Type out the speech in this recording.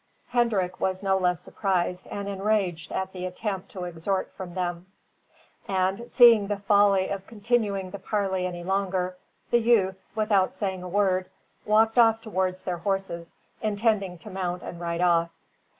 Hendrik was no less surprised and enraged at the attempt to extort from them; and, seeing the folly of continuing the parley any longer, the youths, without saying a word, walked off towards their horses, intending to mount and ride off.